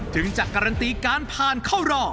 ถึงจะการันตีการผ่านเข้ารอ